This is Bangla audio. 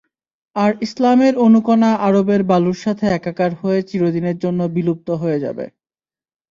আর ইসলামের অণুকণা আরবের বালুর সাথে একাকার হয়ে চিরদিনের জন্য বিলুপ্ত হয়ে যাবে।